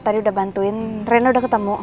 tadi udah bantuin rena udah ketemu